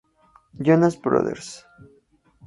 Jonas Brothers.